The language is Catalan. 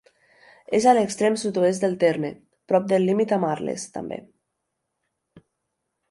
És a l'extrem sud-oest del terme, prop del límit amb Arles, també.